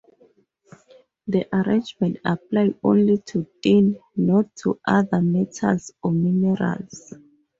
The arrangement applied only to tin, not to other metals or minerals.